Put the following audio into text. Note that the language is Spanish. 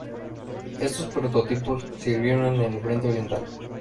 Estos prototipos sirvieron en el Frente Oriental.